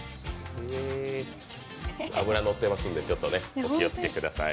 脂のってますんで、ちょっとお気をつけください。